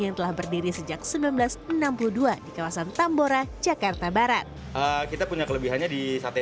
yang telah berdiri sejak seribu sembilan ratus enam puluh dua di kawasan tambora jakarta barat kita punya kelebihannya di sate